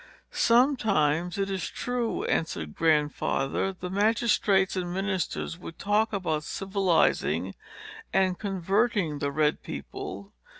"Sometimes, it is true," answered Grandfather, "the magistrates and ministers would talk about civilizing and converting the red people.